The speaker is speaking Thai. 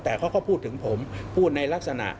แต่เขาก็พูดถึงผมพูดในลักษณะ